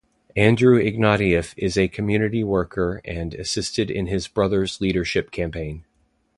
Andrew Ignatieff is a community worker and assisted in his brother's leadership campaign.